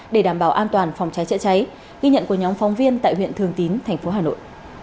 để đảm bảo an toàn phòng cháy chữa cháy ghi nhận của nhóm phóng viên tại huyện thường tín thành phố hà nội